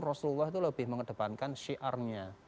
rasulullah itu lebih mengedepankan syiarnya